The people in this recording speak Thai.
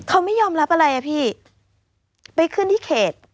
เขาไม่ยอมรับอะไรอ่ะพี่ไปขึ้นที่เขต